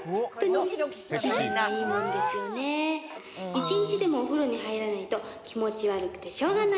１日でもお風呂に入らないと気持ち悪くてしょうがない